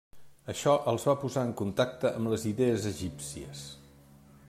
Això els va posar en contacte amb les idees egípcies.